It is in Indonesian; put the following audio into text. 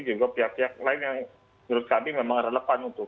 juga pihak pihak lain yang menurut kami memang relevan untuk